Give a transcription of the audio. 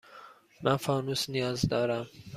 من فانوس نیاز دارم.